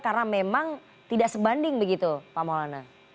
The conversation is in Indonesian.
karena memang tidak sebanding begitu pak maulana